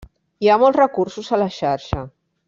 Hi ha molts recursos a la xarxa.